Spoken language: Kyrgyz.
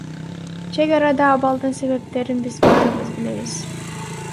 Чек арадагы абалдын себептерин биз баарыбыз билебиз.